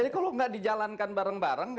kalau nggak dijalankan bareng bareng